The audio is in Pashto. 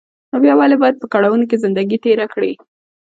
نو بيا ولې بايد په کړاوو کې زندګي تېره کړې.